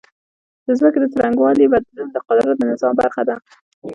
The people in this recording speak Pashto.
د ځمکې د څرنګوالي بدلون د قدرت د نظام برخه ده.